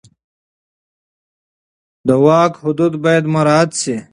د واک حدود باید مراعت شي.